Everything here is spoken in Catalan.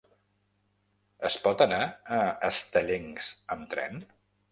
Es pot anar a Estellencs amb tren?